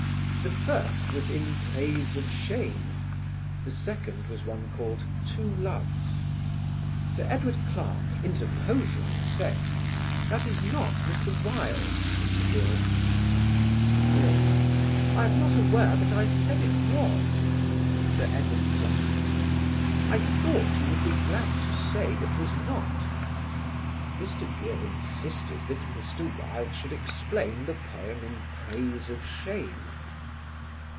The first was in "Praise of Shame," the second was one called "Two Loves." Sir Edward Clarke, interposing, said: "That's not Mr. Wilde's, Mr. Gill." Mr. Gill: "I am not aware that I said it was." Sir Edward Clarke: "I thought you would be glad to say it was not." Mr. Gill insisted that Mr. Wilde should explain the poem in "Praise of Shame."